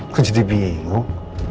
aku jadi bingung